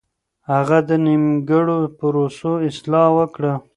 هغه د نيمګړو پروسو اصلاح وکړه.